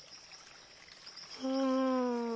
うん。